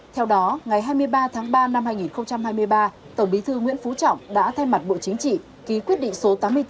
theo đó ngày hai mươi ba tháng ba năm hai nghìn hai mươi ba tổng bí thư nguyễn phú trọng đã thay mặt bộ chính trị ký quyết định số tám mươi bốn